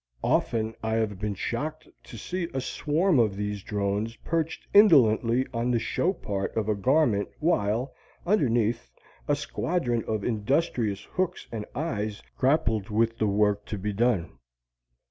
Often I have been shocked to see a swarm of these drones perched indolently on the show part of a garment while, underneath, a squadron of industrious hooks and eyes grappled with the work to be done.